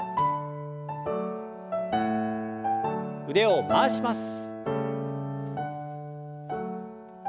腕を回します。